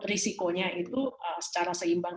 risikonya itu secara seimbang